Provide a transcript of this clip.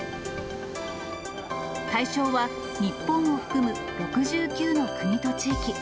対象は、日本を含む６９の国と地域。